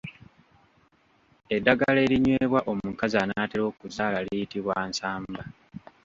Eddagala erinywebwa omukazi an’atera okuzaala liyitibwa Nsamba.